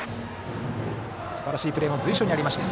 すばらしいプレーも随所にありました。